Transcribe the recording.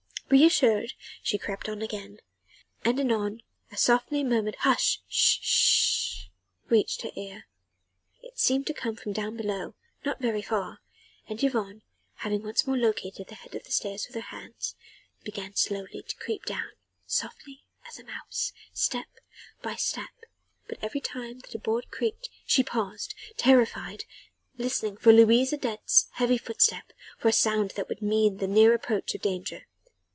Reassured she crept on again, and anon a softly murmured: "Hush sh! sh! " reached her ear. It seemed to come from down below not very far and Yvonne, having once more located the head of the stairs with her hands, began slowly to creep downstairs softly as a mouse step by step but every time that a board creaked she paused, terrified, listening for Louise Adet's heavy footstep, for a sound that would mean the near approach of danger.